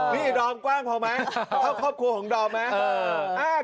นี่ดอมกว้างพอมั้ยเขาห้อของโดมหรือไหม